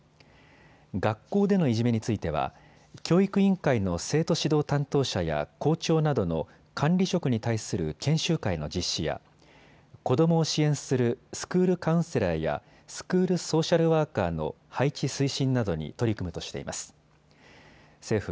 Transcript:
学校でのいじめについては教育委員会の生徒指導担当者や校長などの管理職に対する研修会の実施や子どもを支援するスクールカウンセラーやスクールソーシャルワーカーの配置推進などに取り組むとしています。